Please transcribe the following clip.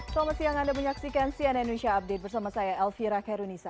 selamat siang anda menyaksikan cnn indonesia update bersama saya elvira karunisa